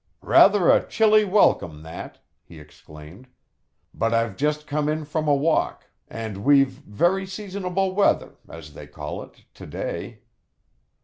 "Rather a chilly welcome that," he exclaimed; "but I've just come in from a walk, and we've very seasonable weather, as they call it, to day.